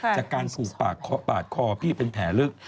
จากการสูบปากคอพี่เป็นแผลลึก